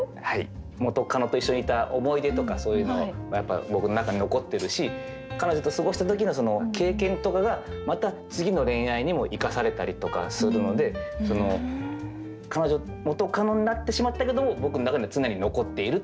元カノと一緒にいた思い出とかそういうのやっぱ僕の中に残ってるし彼女と過ごした時の経験とかがまた次の恋愛にも生かされたりとかするので彼女元カノになってしまったけど僕の中には常に残っているという。